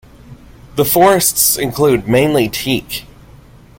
The forests include mainly teak.